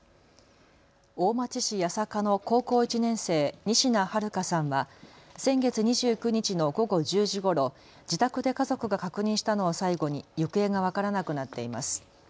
大町市八坂の高校１年生、仁科日花さんは先月２９日の午後１０時ごろ、自宅で家族が確認したのを最後に行方が分からなくなっています。